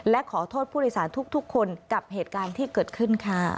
และขอโทษผู้โดยสารทุกคนกับเหตุการณ์ที่เกิดขึ้นค่ะ